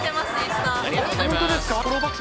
本当ですか。